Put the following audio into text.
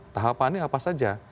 tahapan ini apa saja